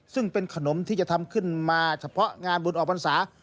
ซึ่งเป็นขนมที่จะทำขึ้นมาเฉพาะงานบุญออกพรรษา